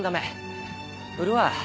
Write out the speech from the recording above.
売るわ。